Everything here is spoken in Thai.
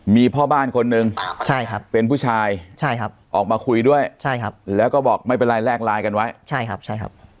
มีพ่อบ้านคนนึงเป็นผู้ชายออกมาคุยด้วยแล้วก็บอกไม่เป็นไรแลกลายกันไว้